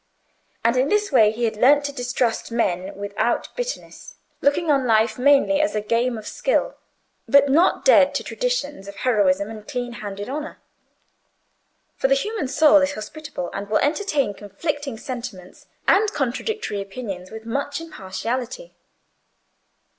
And in this way he had learned to distrust men without bitterness; looking on life mainly as a game of skill, but not dead to traditions of heroism and clean handed honour. For the human soul is hospitable, and will entertain conflicting sentiments and contradictory opinions with much impartiality.